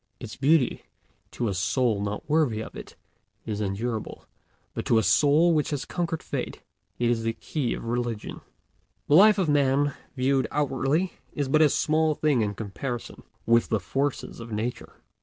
Its beauty, to a soul not worthy of it, is unendurable; but to a soul which has conquered Fate it is the key of religion. The life of Man, viewed outwardly, is but a small thing in comparison with the forces of Nature.